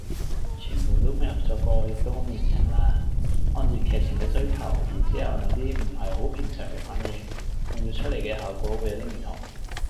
全部都未合作過亦都好年青啦，按住劇情嘅需求然之後諗啲唔係好平常嘅反應令到出嚟嘅效果會有啲唔同